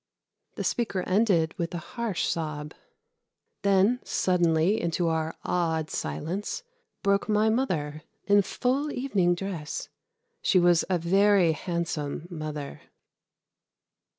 '" The speaker ended with a harsh sob. Then suddenly into our awed silence broke my mother in full evening dress. She was a very handsome mother.